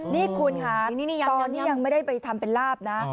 ตอนนี้ยังไม่ได้ไปทำเป็นลาบนะ